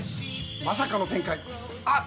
まさかの展開あっ